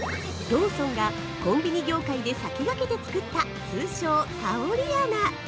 ◆ローソンがコンビニ業界で先駆けて作った、通称「香り穴」。